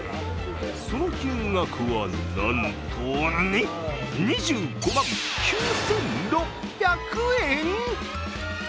その金額はなんと、２２５万９６００円！？